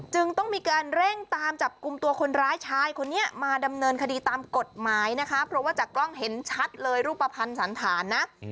จึงต้องมีการเร่งตามจับกลุ่มตัวคนร้ายชายคนนี้มาดำเนินคดีตามกฎหมายนะคะเพราะว่าจากกล้องเห็นชัดเลยรูปภัณฑ์สันฐานนะ